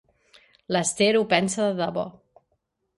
L'Esther ho pensa de debò.